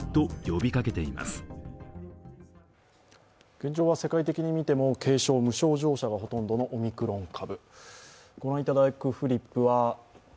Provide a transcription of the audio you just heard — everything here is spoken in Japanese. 現状は世界的に見ても軽症、無症状者がほとんどのオミクロン株。